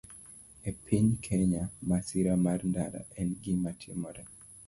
E piny Kenya, masira mar ndara en gima timore